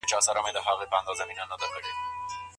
د مخطوبې د دوستانو پېژندل ولي مهم دي؟